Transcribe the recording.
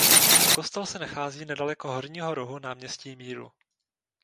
Kostel se nachází nedaleko horního rohu Náměstí Míru.